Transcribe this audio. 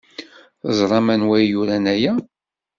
Teẓram anwa ay yuran aya?